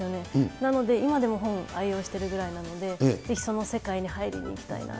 なので、今でも愛用してるぐらいなので、ぜひその世界に入りにいきたいなと。